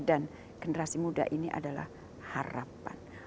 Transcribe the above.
dan generasi muda ini adalah harapan